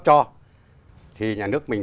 cho thì nhà nước mình